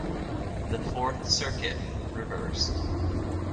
The Fourth Circuit reversed.